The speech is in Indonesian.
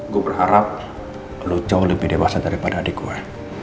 gue berharap lo jauh lebih dewasa daripada adik gue